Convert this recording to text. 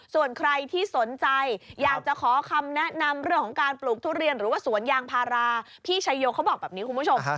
ส่วนใครที่สนใจอยากจะขอคำแนะนำเรื่องของการปลูกทุเรียนหรือว่าสวนยางพาราพี่ชายโยเขาบอกแบบนี้คุณผู้ชม